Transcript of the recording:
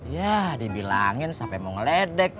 ya dibilangin sampai mau ngeledek